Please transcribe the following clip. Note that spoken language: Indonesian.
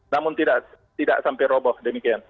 namun tidak sampai roboh demikian